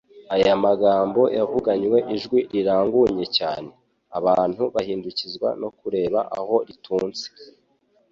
Aya magambo yavuganywe ijwi rirangunye cyane. Abantu bahindukizwa no kureba aho rituntse.